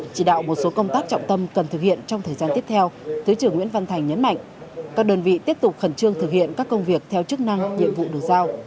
chỉ đạo một số công tác trọng tâm cần thực hiện trong thời gian tiếp theo thứ trưởng nguyễn văn thành nhấn mạnh các đơn vị tiếp tục khẩn trương thực hiện các công việc theo chức năng nhiệm vụ được giao